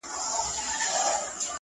o لمن كي مي د سپينو ملغلرو كور ودان دى،